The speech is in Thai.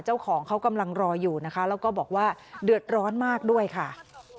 เจ้าของเขากำลังรออยู่นะคะแล้วก็บอกว่าเดือดร้อนมากด้วยค่ะ